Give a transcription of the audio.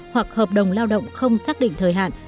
hoặc hợp đồng lao động không xác định thời hạn